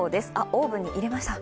オーブンに入れました。